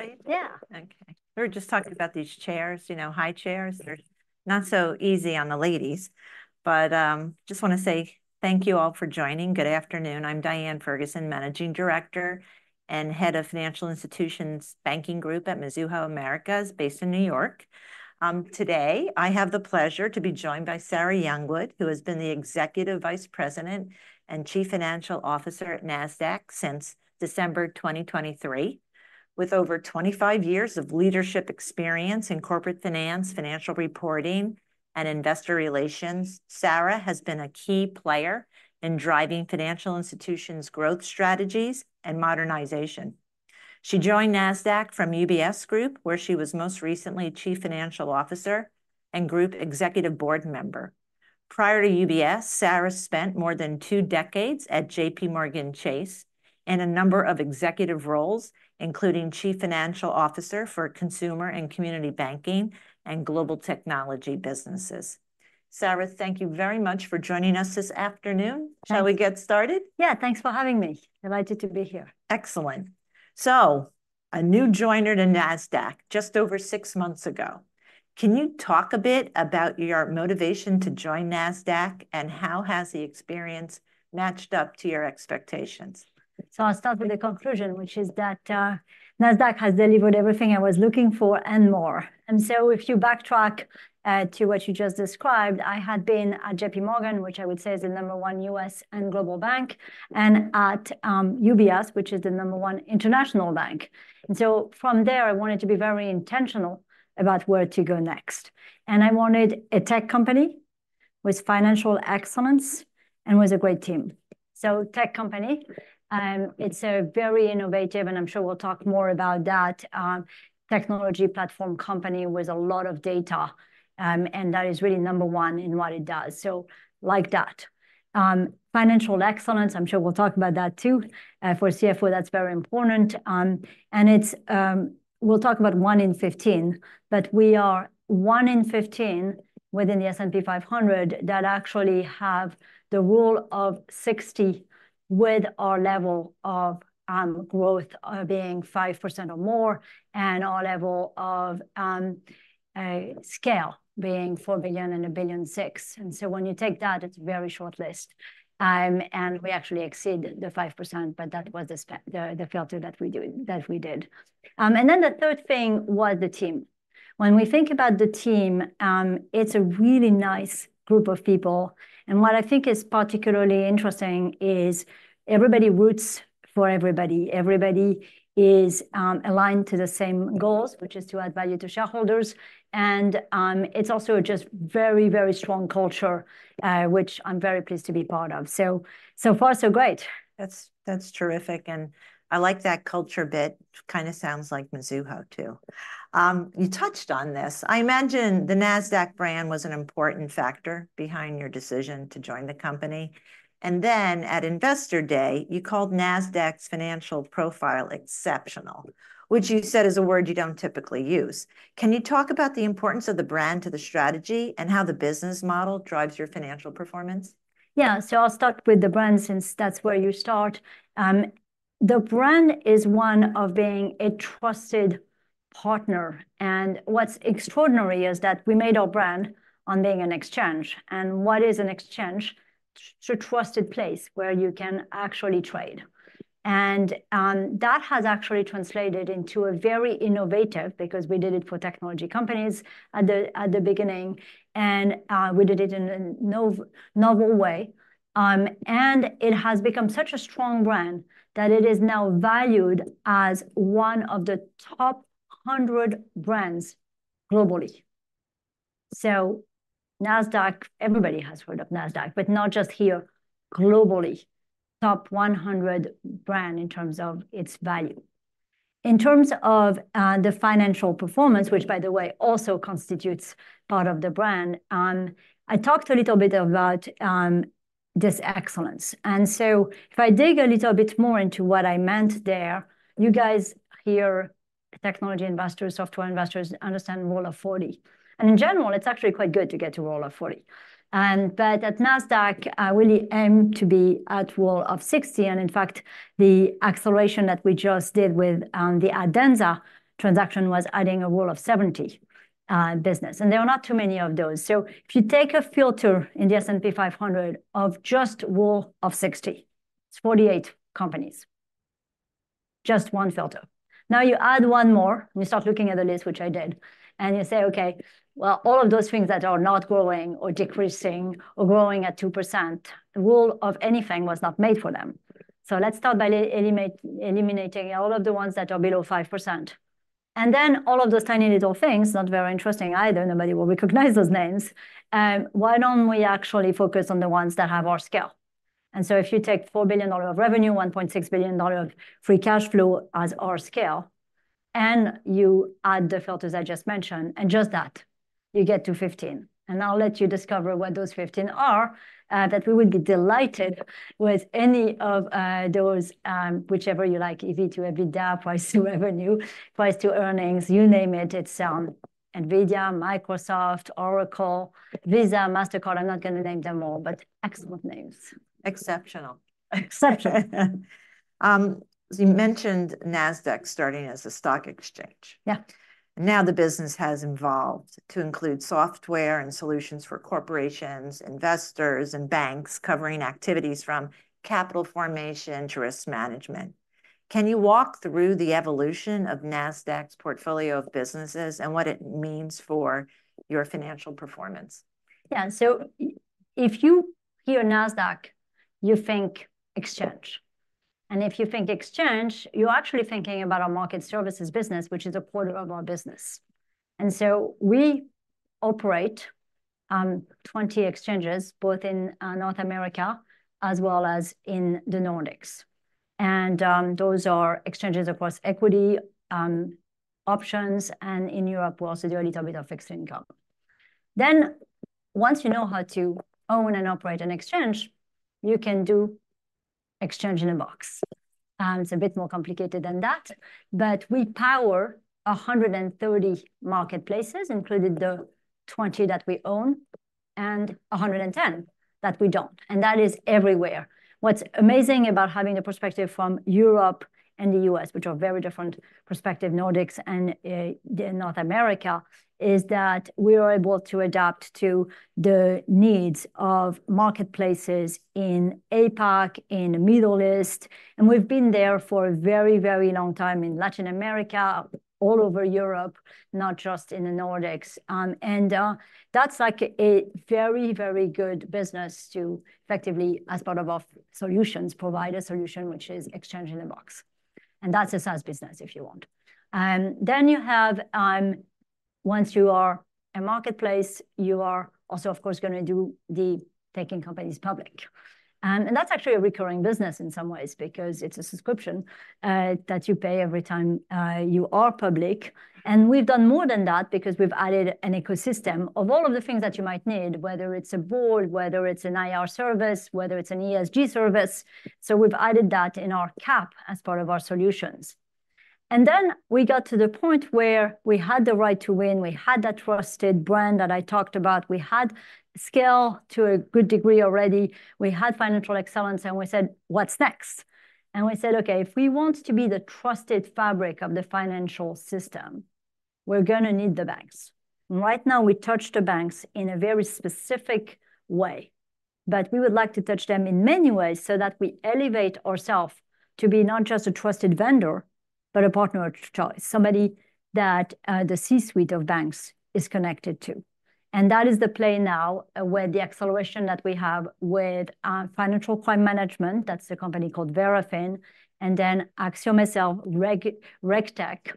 Right? Yeah. Okay. We were just talking about these chairs, you know, high chairs that are not so easy on the ladies. But, just want to say thank you all for joining. Good afternoon. I'm Diane Ferguson, Managing Director and Head of Financial Institutions Banking Group at Mizuho Americas, based in New York. Today, I have the pleasure to be joined by Sarah Youngwood, who has been the Executive Vice President and Chief Financial Officer at Nasdaq since December 2023. With over 25 years of leadership experience in corporate finance, financial reporting, and investor relations, Sarah has been a key player in driving financial institutions' growth strategies and modernization. She joined Nasdaq from UBS Group, where she was most recently Chief Financial Officer and Group Executive Board member. Prior to UBS, Sarah spent more than two decades at JPMorgan Chase in a number of executive roles, including Chief Financial Officer for Consumer and Community Banking and Global Technology Businesses. Sarah, thank you very much for joining us this afternoon. Thanks. Shall we get started? Yeah, thanks for having me. Delighted to be here. Excellent. A new joiner to Nasdaq just over six months ago. Can you talk a bit about your motivation to join Nasdaq, and how has the experience matched up to your expectations? So I'll start with the conclusion, which is that, Nasdaq has delivered everything I was looking for and more. And so if you backtrack, to what you just described, I had been at JP Morgan, which I would say is the number one U.S. and global bank, and at, UBS, which is the number one international bank. And so from there, I wanted to be very intentional about where to go next, and I wanted a tech company with financial excellence and with a great team. So tech company, it's a very innovative, and I'm sure we'll talk more about that, technology platform company with a lot of data, and that is really number one in what it does, so like that. Financial excellence, I'm sure we'll talk about that, too. For a CFO, that's very important. And it's, We'll talk about one in 15, but we are one in 15 within the S&P 500 that actually have the rule of 60, with our level of growth being 5% or more, and our level of scale being $4 billion and $1.6 billion. And so when you take that, it's a very short list. And we actually exceed the 5%, but that was the filter that we did. And then the third thing was the team. When we think about the team, it's a really nice group of people, and what I think is particularly interesting is everybody roots for everybody. Everybody is aligned to the same goals, which is to add value to shareholders, and it's also a just very, very strong culture, which I'm very pleased to be part of. So, so far, so great. That's, that's terrific, and I like that culture bit. Kind of sounds like Mizuho, too. You touched on this. I imagine the Nasdaq brand was an important factor behind your decision to join the company, and then at Investor Day, you called Nasdaq's financial profile exceptional, which you said is a word you don't typically use. Can you talk about the importance of the brand to the strategy and how the business model drives your financial performance? Yeah, so I'll start with the brand, since that's where you start. The brand is one of being a trusted partner, and what's extraordinary is that we made our brand on being an exchange. And what is an exchange? It's a trusted place where you can actually trade, and that has actually translated into a very innovative, because we did it for technology companies at the beginning, and we did it in a novel way. And it has become such a strong brand that it is now valued as one of the top 100 brands globally. So Nasdaq, everybody has heard of Nasdaq, but not just here, globally, top 100 brand in terms of its value. In terms of the financial performance, which, by the way, also constitutes part of the brand, I talked a little bit about this excellence. And so if I dig a little bit more into what I meant there, you guys here, technology investors, software investors, understand rule of 40, and in general, it's actually quite good to get to rule of 40. But at Nasdaq, I really aim to be at rule of 60, and in fact, the acceleration that we just did with the Adenza transaction was adding a rule of 70 business, and there are not too many of those. So if you take a filter in the S&P 500 of just rule of 60, it's 48 companies, just one filter. Now you add one more, and you start looking at the list, which I did, and you say, "Okay, well, all of those things that are not growing or decreasing or growing at 2%, the rule of anything was not made for them." So let's start by eliminate all of the ones that are below 5%. And then all of those tiny, little things, not very interesting either, nobody will recognize those names. Why don't we actually focus on the ones that have our scale? And so if you take $4 billion of revenue, $1.6 billion of free cash flow as our scale and you add the filters I just mentioned, and just that, you get to 15. I'll let you discover what those 15 are, that we would be delighted with any of those, whichever you like, EV to EBITDA, price to revenue, price to earnings, you name it, it's NVIDIA, Microsoft, Oracle, Visa, Mastercard. I'm not gonna name them all, but excellent names. Exceptional. Exceptional. You mentioned Nasdaq starting as a stock exchange. Yeah. Now, the business has evolved to include software and solutions for corporations, investors, and banks, covering activities from capital formation to risk management. Can you walk through the evolution of Nasdaq's portfolio of businesses, and what it means for your financial performance? Yeah, so if you hear Nasdaq, you think exchange. And if you think exchange, you're actually thinking about our market services business, which is a quarter of our business. And so we operate 20 exchanges, both in North America, as well as in the Nordics. And those are exchanges across equity, options, and in Europe, we also do a little bit of fixed income. Then, once you know how to own and operate an exchange, you can do exchange in a box. It's a bit more complicated than that, but we power 130 marketplaces, including the 20 that we own, and 110 that we don't, and that is everywhere. What's amazing about having the perspective from Europe and the U.S., which are very different perspective, Nordics and North America, is that we are able to adapt to the needs of marketplaces in APAC, in the Middle East, and we've been there for a very, very long time, in Latin America, all over Europe, not just in the Nordics. And that's like a very, very good business to effectively, as part of our solutions, provide a solution which is exchange in a box, and that's a SaaS business if you want. And then you have, once you are a marketplace, you are also, of course, gonna do the taking companies public. And that's actually a recurring business in some ways, because it's a subscription that you pay every time you are public. We've done more than that, because we've added an ecosystem of all of the things that you might need, whether it's a board, whether it's an IR service, whether it's an ESG service, so we've added that in our cap as part of our solutions. And then we got to the point where we had the right to win, we had that trusted brand that I talked about, we had scale to a good degree already, we had financial excellence, and we said: "What's next?" And we said, "Okay, if we want to be the trusted fabric of the financial system, we're gonna need the banks." Right now, we touch the banks in a very specific way, but we would like to touch them in many ways, so that we elevate ourself to be not just a trusted vendor, but a partner of choice, somebody that, the C-suite of banks is connected to. And that is the play now, where the acceleration that we have with, financial crime management, that's a company called Verafin, and then AxiomSL Reg, RegTech.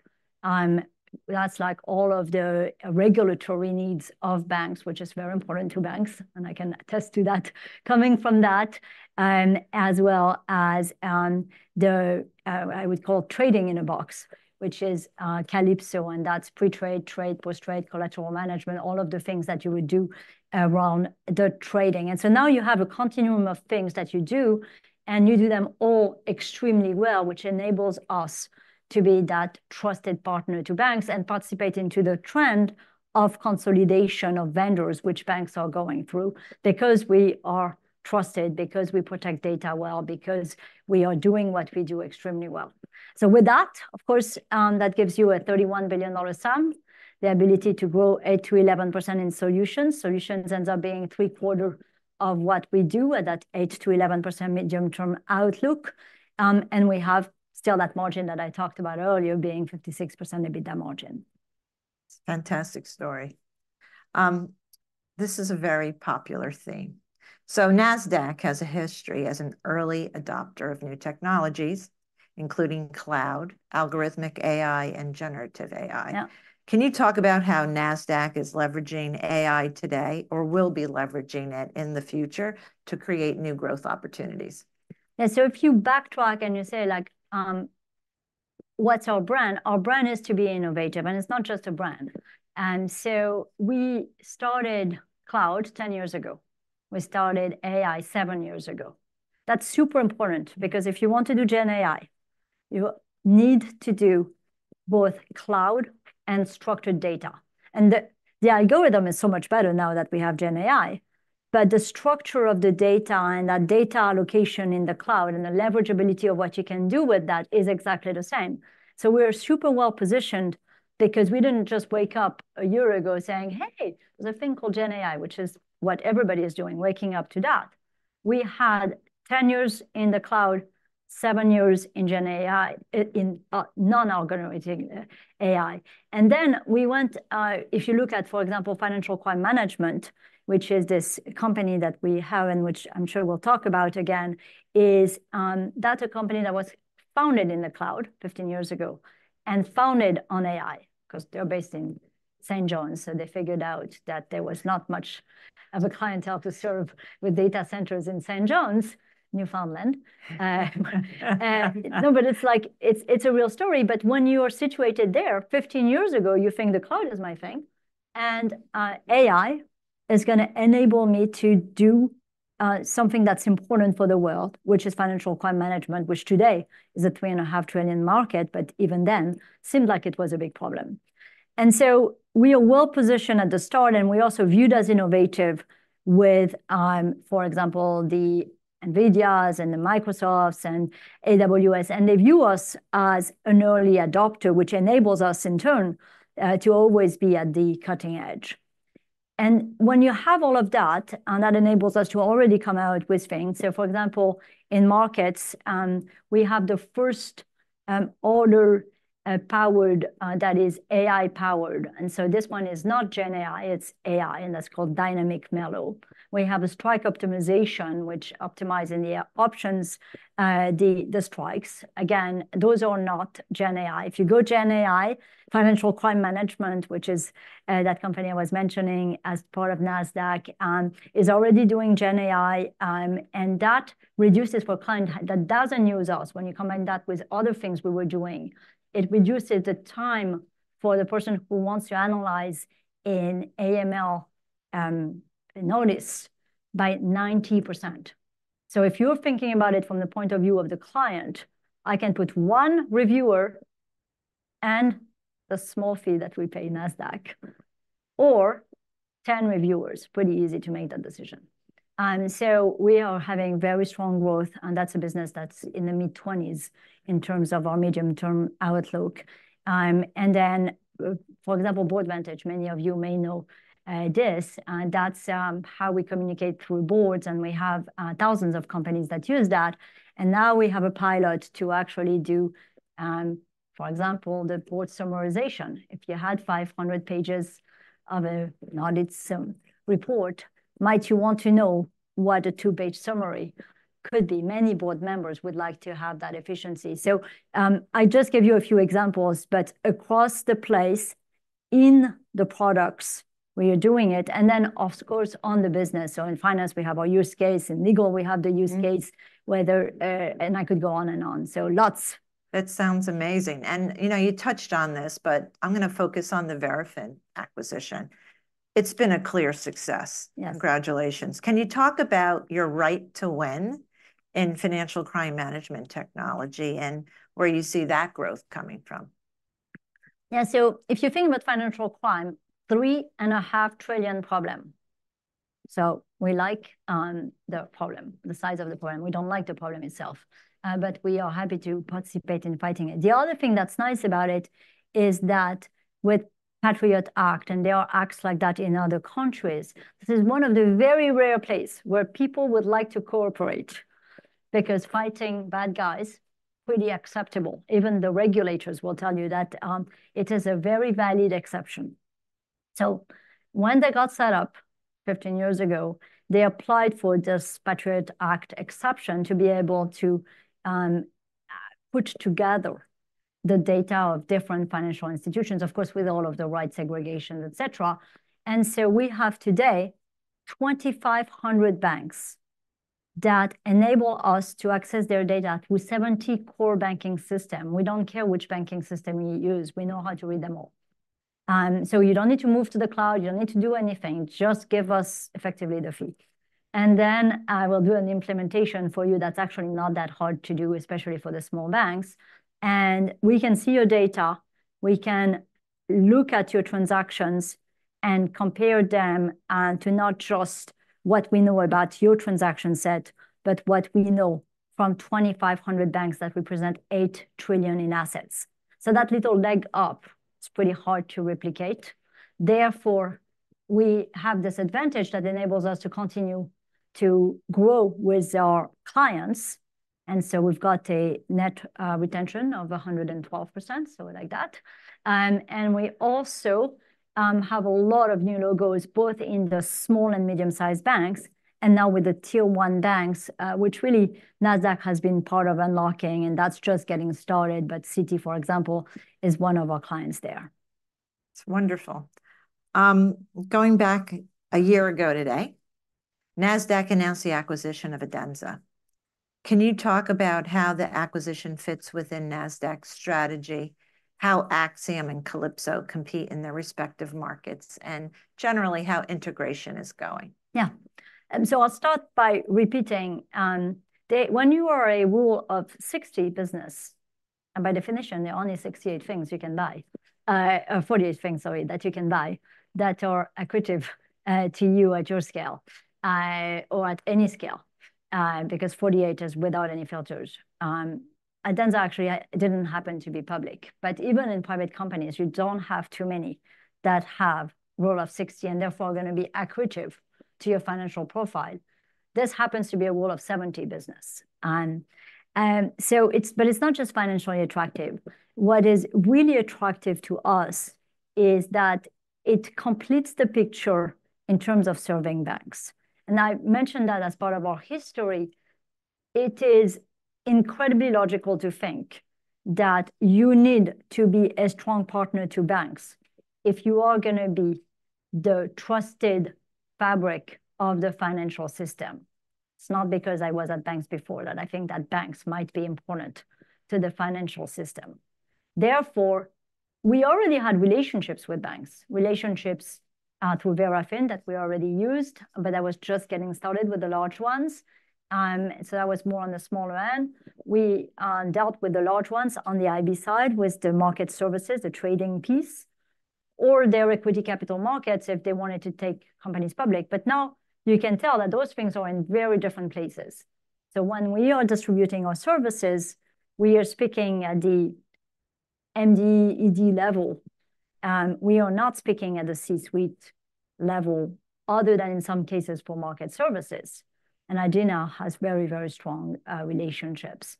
That's like all of the regulatory needs of banks, which is very important to banks, and I can attest to that coming from that. As well as the I would call trading in a box, which is Calypso, and that's pre-trade, trade, post-trade, collateral management, all of the things that you would do around the trading. And so now you have a continuum of things that you do, and you do them all extremely well, which enables us to be that trusted partner to banks, and participate into the trend of consolidation of vendors, which banks are going through. Because we are trusted, because we protect data well, because we are doing what we do extremely well. So with that, of course, that gives you a $31 billion sum, the ability to grow 8%-11% in solutions. Solutions ends up being three-quarters of what we do at that 8%-11% medium-term outlook. And we have still that margin that I talked about earlier, being 56% EBITDA margin. Fantastic story. This is a very popular theme. So Nasdaq has a history as an early adopter of new technologies, including cloud, algorithmic AI, and generative AI. Yeah. Can you talk about how Nasdaq is leveraging AI today, or will be leveraging it in the future to create new growth opportunities? Yeah, so if you backtrack and you say, like, "What's our brand?" Our brand is to be innovative, and it's not just a brand. And so we started cloud 10 years ago. We started AI seven years ago. That's super important, because if you want to do gen AI, you need to do both cloud and structured data. And the, the algorithm is so much better now that we have gen AI, but the structure of the data, and the data allocation in the cloud, and the leverage ability of what you can do with that, is exactly the same. So we're super well-positioned, because we didn't just wake up a year ago saying, "Hey, there's a thing called gen AI," which is what everybody is doing, waking up to that. We had 10 years in the cloud, seven years in gen AI, in non-algorithmic AI. And then we went. If you look at, for example, financial crime management, which is this company that we have, and which I'm sure we'll talk about again, is that's a company that was founded in the cloud 15 years ago, and founded on AI, 'cause they're based in St. John's, so they figured out that there was not much of a clientele to serve with data centers in St. John's, Newfoundland. No, but it's like, it's, it's a real story. But when you are situated there 15 years ago, you think, "The cloud is my thing, and, AI is gonna enable me to do, something that's important for the world, which is financial crime management, which today is a $3.5 trillion market, but even then, seemed like it was a big problem. And so we are well-positioned at the start, and we're also viewed as innovative with, for example, the NVIDIAs and the Microsofts and AWS, and they view us as an early adopter, which enables us, in turn, to always be at the cutting edge. And when you have all of that, and that enables us to already come out with things. So, for example, in markets, we have the first order powered that is AI-powered, and so this one is not gen AI, it's AI, and that's called Dynamic M-ELO. We have a strike optimization, which optimizing the options, the strikes. Again, those are not gen AI. If you go gen AI, Financial Crime Management, which is, that company I was mentioning as part of Nasdaq, is already doing gen AI, and that reduces for client that doesn't use us. When you combine that with other things we were doing, it reduces the time for the person who wants to analyze in AML, notice by 90%. So if you're thinking about it from the point of view of the client, I can put one reviewer and the small fee that we pay Nasdaq or 10 reviewers. Pretty easy to make that decision. So we are having very strong growth, and that's a business that's in the mid-20s in terms of our medium-term outlook. And then, for example, Boardvantage, many of you may know, this, that's how we communicate through boards, and we have thousands of companies that use that, and now we have a pilot to actually do, for example, the board summarization. If you had 500 pages of an audit SOX report, might you want to know what a two-page summary could be? Many board members would like to have that efficiency. So, I just gave you a few examples, but across the place, in the products, we are doing it, and then of course, on the business. So in finance, we have our use case, in legal, we have the use case- Mm. I could go on and on, so lots. That sounds amazing. You know, you touched on this, but I'm gonna focus on the Verafin acquisition. It's been a clear success. Yes. Congratulations. Can you talk about your right to win in financial crime management technology, and where you see that growth coming from? Yeah. So if you think about financial crime, $3.5 trillion problem. So we like, the problem, the size of the problem. We don't like the problem itself, but we are happy to participate in fighting it. The other thing that's nice about it is that with Patriot Act, and there are acts like that in other countries, this is one of the very rare place where people would like to cooperate, because fighting bad guys, pretty acceptable. Even the regulators will tell you that, it is a very valid exception. So when they got set up 15 years ago, they applied for this Patriot Act exception to be able to, put together the data of different financial institutions, of course, with all of the right segregation, et cetera. We have today 2,500 banks that enable us to access their data through 70 core banking systems. We don't care which banking system you use; we know how to read them all. So you don't need to move to the cloud, you don't need to do anything, just give us effectively the fee. And then I will do an implementation for you that's actually not that hard to do, especially for the small banks, and we can see your data, we can look at your transactions and compare them to not just what we know about your transaction set, but what we know from 2,500 banks that represent $8 trillion in assets. So that little leg up, it's pretty hard to replicate. Therefore, we have this advantage that enables us to continue to grow with our clients, and so we've got a net retention of 112%, so we like that. And we also have a lot of new logos, both in the small and medium-sized banks, and now with the Tier one banks, which really Nasdaq has been part of unlocking, and that's just getting started, but Citi, for example, is one of our clients there. It's wonderful. Going back a year ago today, Nasdaq announced the acquisition of Adenza. Can you talk about how the acquisition fits within Nasdaq's strategy, how Axiom and Calypso compete in their respective markets, and generally, how integration is going? I'll start by repeating, when you are a rule of 60 business, and by definition, there are only 68 things you can buy, 48 things, sorry, that you can buy, that are accretive to you at your scale, or at any scale, because 48 is without any filters. Adenza actually didn't happen to be public, but even in private companies, you don't have too many that have rule of 60 and therefore are gonna be accretive to your financial profile. This happens to be a rule of 70 business. But it's not just financially attractive. What is really attractive to us is that it completes the picture in terms of serving banks. I mentioned that as part of our history, it is incredibly logical to think that you need to be a strong partner to banks if you are gonna be the trusted fabric of the financial system. It's not because I was at banks before, that I think that banks might be important to the financial system. We already had relationships with banks, relationships through Verafin that we already used, but I was just getting started with the large ones. So that was more on the smaller end. We dealt with the large ones on the IB side, with the market services, the trading piece, or their equity capital markets, if they wanted to take companies public. But now you can tell that those things are in very different places. So when we are distributing our services, we are speaking at the MD/ED level. We are not speaking at the C-suite level, other than in some cases for market services, and Adena has very, very strong relationships.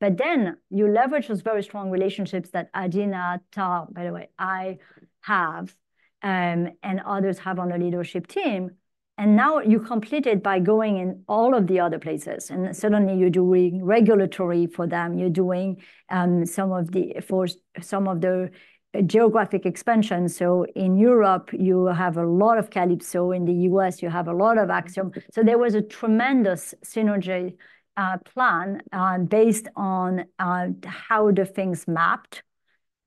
But then you leverage those very strong relationships that Adena, Tal, by the way, I have, and others have on the leadership team, and now you complete it by going in all of the other places, and suddenly you're doing regulatory for them, you're doing some of the-- for some of the geographic expansion. So in Europe, you have a lot of Calypso. In the U.S., you have a lot of Axiom. So there was a tremendous synergy plan based on how the things mapped.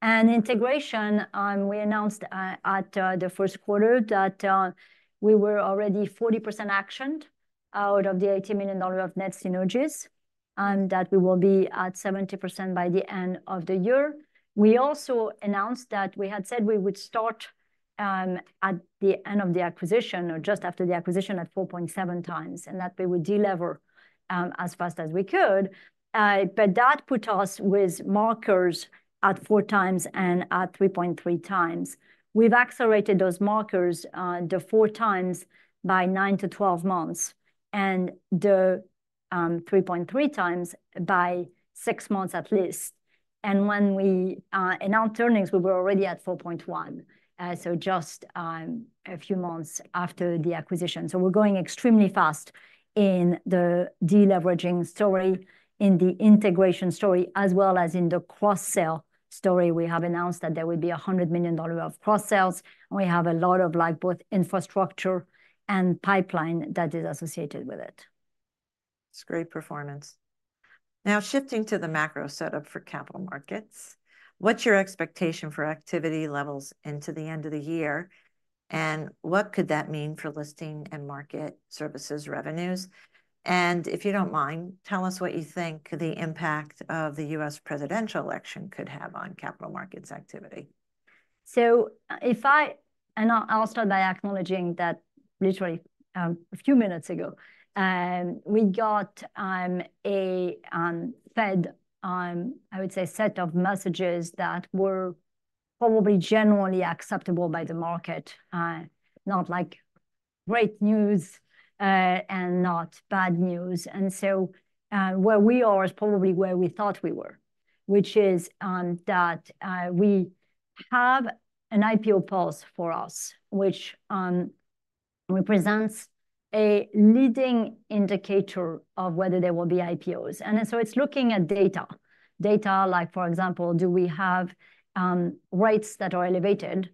Integration, we announced in the Q1 that we were already 40% actioned out of the $80 million of net synergies, and that we will be at 70% by the end of the year. We also announced that we had said we would start at the end of the acquisition or just after the acquisition, at 4.7x, and that we would de-lever as fast as we could. But that put us with markers at 4x and at 3.3x. We've accelerated those markers, the 4x by 9-12 months, and the 3.3x by 6 months at least. When we announced earnings, we were already at 4.1, so just a few months after the acquisition. We're going extremely fast in the de-leveraging story, in the integration story, as well as in the cross-sell story. We have announced that there will be $100 million of cross-sales, and we have a lot of like both infrastructure and pipeline that is associated with it. It's great performance. Now, shifting to the macro setup for capital markets, what's your expectation for activity levels into the end of the year, and what could that mean for listing and market services revenues? And if you don't mind, tell us what you think the impact of the U.S. presidential election could have on capital markets activity. So, I'll start by acknowledging that literally a few minutes ago we got a Fed I would say set of messages that were probably generally acceptable by the market. Not like great news and not bad news. And so where we are is probably where we thought we were, which is that we have an IPO pulse for us, which represents a leading indicator of whether there will be IPOs. And so it's looking at data. Data, like, for example, do we have rates that are elevated,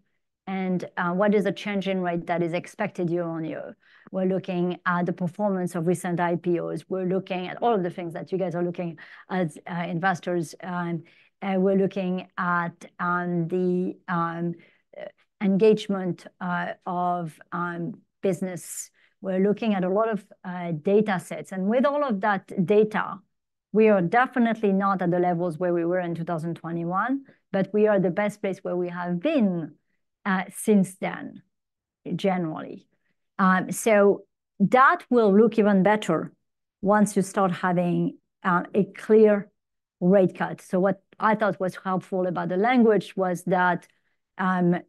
and what is the change in rate that is expected year on year? We're looking at the performance of recent IPOs. We're looking at all of the things that you guys are looking at as investors. We're looking at the engagement of business. We're looking at a lot of data sets, and with all of that data, we are definitely not at the levels where we were in 2021, but we are the best place where we have been since then, generally. So that will look even better once you start having a clear rate cut. So what I thought was helpful about the language was that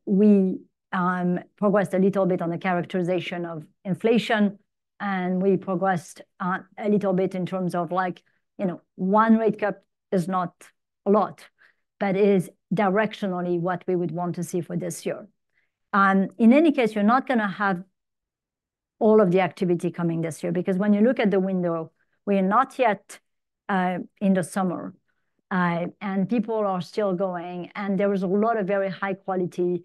we progressed a little bit on the characterization of inflation, and we progressed a little bit in terms of like, you know, one rate cut is not a lot, but it is directionally what we would want to see for this year. In any case, you're not going to have all of the activity coming this year, because when you look at the window, we are not yet in the summer, and people are still going, and there is a lot of very high quality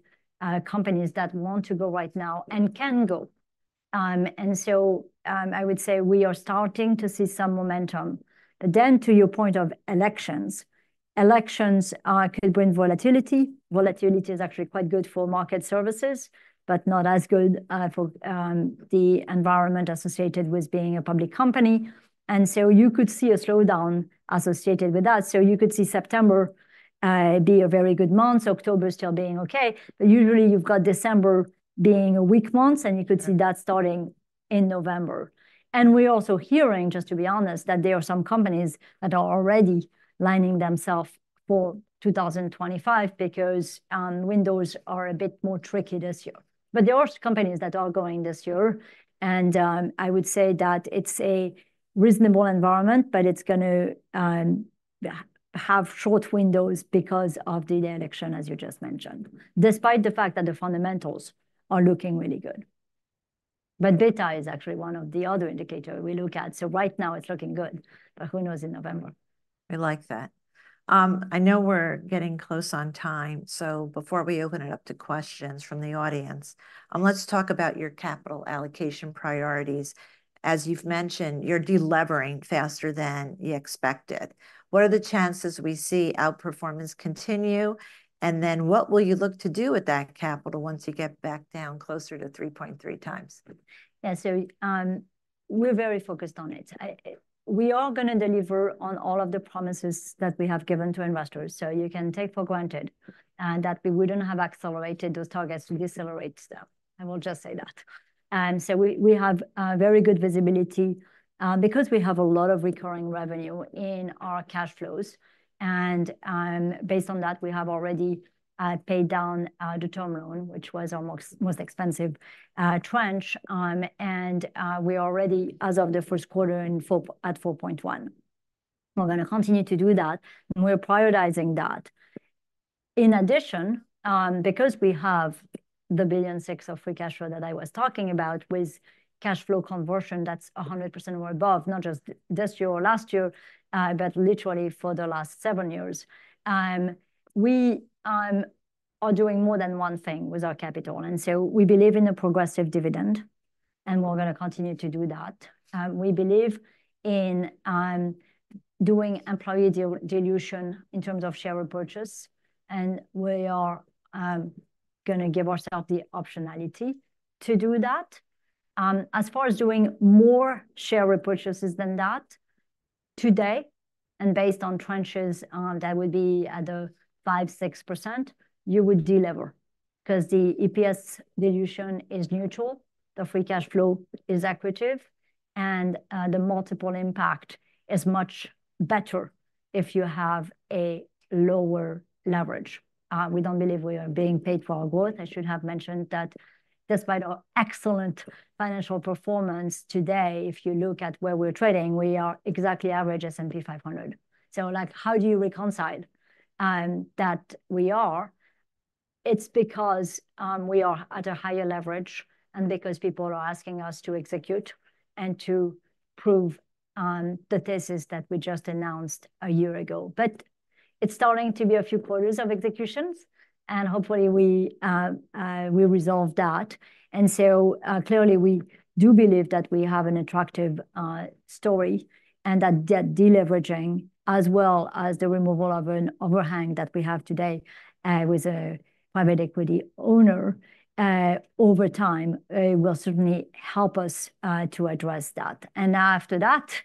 companies that want to go right now and can go. And so, I would say we are starting to see some momentum. Then, to your point of elections, elections could bring volatility. Volatility is actually quite good for market services, but not as good for the environment associated with being a public company, and so you could see a slowdown associated with that. So you could see September be a very good month, October still being okay, but usually you've got December being a weak month, and you could see that starting in November. And we're also hearing, just to be honest, that there are some companies that are already lining themselves up for 2025 because windows are a bit more tricky this year. But there are companies that are going this year, and I would say that it's a reasonable environment, but it's going to have short windows because of the election, as you just mentioned, despite the fact that the fundamentals are looking really good. But beta is actually one of the other indicator we look at, so right now it's looking good, but who knows in November? I like that. I know we're getting close on time, so before we open it up to questions from the audience, let's talk about your capital allocation priorities. As you've mentioned, you're de-levering faster than you expected... What are the chances we see outperformance continue? And then what will you look to do with that capital once you get back down closer to 3.3x? Yeah, so, we're very focused on it. I, we are gonna deliver on all of the promises that we have given to investors, so you can take for granted that we wouldn't have accelerated those targets to decelerate them. I will just say that. So we, we have very good visibility because we have a lot of recurring revenue in our cash flows, and based on that, we have already paid down our term loan, which was our most, most expensive tranche. And we already, as of the first quarter, in four - at 4.1. We're gonna continue to do that, and we're prioritizing that. In addition, because we have $1.6 billion of free cash flow that I was talking about, with cash flow conversion, that's 100% or above, not just this year or last year, but literally for the last seven years. We are doing more than one thing with our capital, and so we believe in a progressive dividend, and we're gonna continue to do that. We believe in doing employee de-dilution in terms of share repurchase, and we are gonna give ourself the optionality to do that. As far as doing more share repurchases than that, today, and based on tranches, that would be at the 5%-6%, you would delever, 'cause the EPS dilution is neutral, the free cash flow is accretive, and the multiple impact is much better if you have a lower leverage. We don't believe we are being paid for our growth. I should have mentioned that despite our excellent financial performance today, if you look at where we're trading, we are exactly average S&P 500. So, like, how do you reconcile that we are? It's because we are at a higher leverage and because people are asking us to execute and to prove the thesis that we just announced a year ago. But it's starting to be a few quarters of executions, and hopefully we will resolve that. And so, clearly we do believe that we have an attractive story, and that deleveraging, as well as the removal of an overhang that we have today with a private equity owner over time, will certainly help us to address that. After that,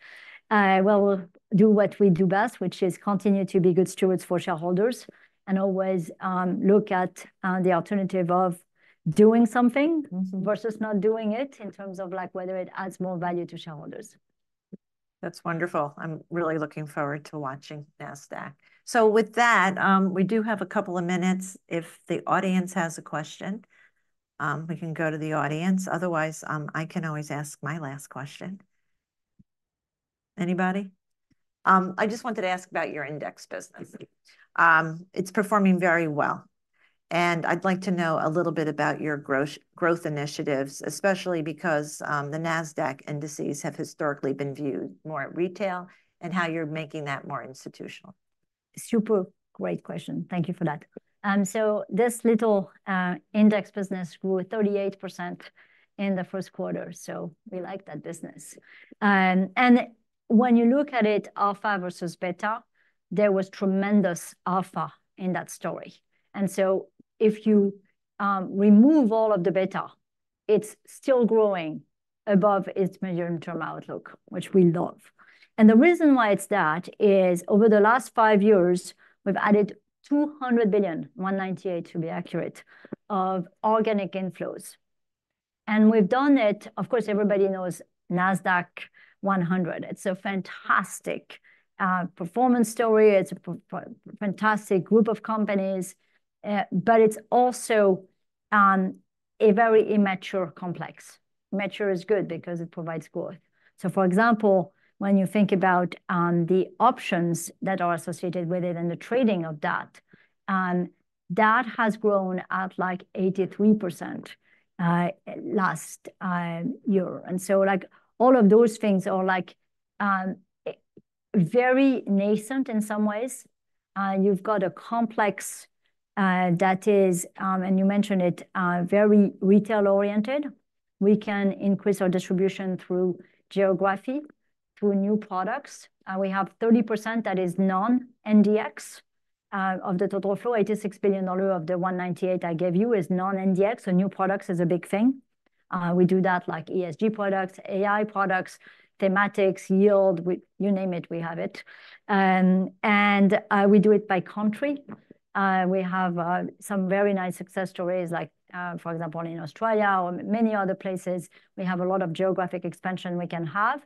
we'll do what we do best, which is continue to be good stewards for shareholders and always look at the alternative of doing something- Mm-hmm... versus not doing it, in terms of, like, whether it adds more value to shareholders. That's wonderful. I'm really looking forward to watching Nasdaq. So with that, we do have a couple of minutes if the audience has a question. We can go to the audience, otherwise, I can always ask my last question. Anybody? I just wanted to ask about your index business. It's performing very well, and I'd like to know a little bit about your growth, growth initiatives, especially because, the Nasdaq indices have historically been viewed more at retail, and how you're making that more institutional. Super great question. Thank you for that. So this little index business grew 38% in the first quarter, so we like that business. And when you look at it alpha versus beta, there was tremendous alpha in that story. And so if you remove all of the beta, it's still growing above its medium-term outlook, which we love. And the reason why it's that is, over the last five years, we've added $198 billion to be accurate, of organic inflows. And we've done it. Of course, everybody knows Nasdaq 100. It's a fantastic performance story, it's a fantastic group of companies, but it's also a very immature complex. Mature is good because it provides growth. So for example, when you think about, the options that are associated with it and the trading of that, that has grown at, like, 83%, last year. And so, like, all of those things are, like, very nascent in some ways. You've got a complex that is, and you mentioned it, very retail-oriented. We can increase our distribution through geography, through new products. We have 30% that is non-NDX. Of the total flow, $86 billion of the $198 I gave you is non-NDX, so new products is a big thing. We do that, like, ESG products, AI products, thematics, yield. You name it, we have it. And we do it by country. We have some very nice success stories like, for example, in Australia or many other places. We have a lot of geographic expansion we can have.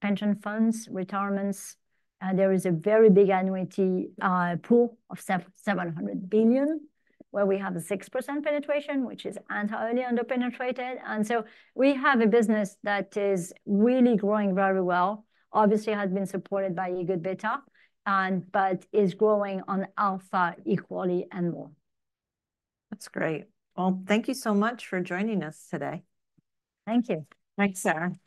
Pension funds, retirements, and there is a very big annuity pool of $700 billion, where we have a 6% penetration, which is entirely under-penetrated. So we have a business that is really growing very well, obviously has been supported by a good beta, but is growing on alpha equally and more. That's great. Well, thank you so much for joining us today. Thank you. Thanks, Sarah.